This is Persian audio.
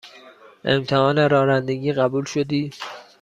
امتحان رانندگی قبول شدی؟